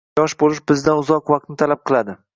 Yosh bo’lish bizdan uzoq vaqtni talab qiladi.